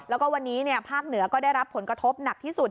แล้วก็วันนี้ภาคเหนือก็ได้รับผลกระทบหนักที่สุด